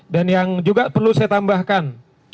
dan yang juga perlu saya tambahkan